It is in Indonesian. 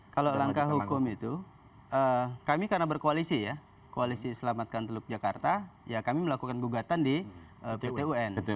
kalau langkah hukum itu kami karena berkoalisi ya koalisi selamatkan teluk jakarta ya kami melakukan gugatan di pt un